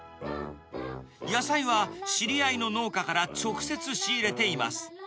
野菜は知り合いの農家から直接仕入れています。